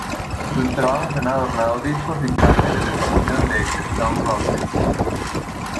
Sus trabajos han adornado discos y carteles de promoción de Stone Roses.